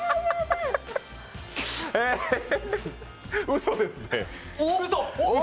うそです。